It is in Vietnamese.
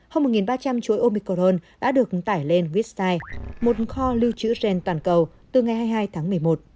hôm một nghìn ba trăm linh chuỗi omicron đã được tải lên wistai một kho lưu trữ gen toàn cầu từ ngày hai mươi hai tháng một mươi một